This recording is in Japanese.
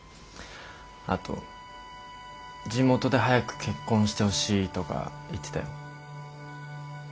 あと地元で早く結婚してほしいとか言ってたよ。